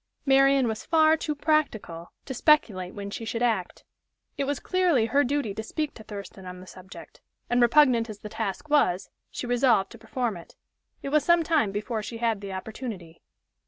Marian was far too practical to speculate when she should act. It was clearly her duty to speak to Thurston on the subject, and, repugnant as the task was, she resolved to perform it. It was some time before she had the opportunity.